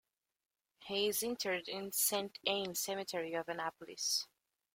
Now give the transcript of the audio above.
He is interred in Saint Anne's Cemetery of Annapolis.